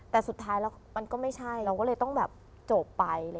แต่สุดท้ายแล้วมันก็ไม่ใช่เราก็เลยต้องแบบจบไป